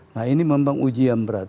nah ini memang ujian berat